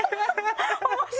面白い！